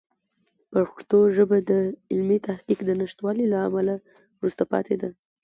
پښتو ژبه د علمي تحقیق د نشتوالي له امله وروسته پاتې ده.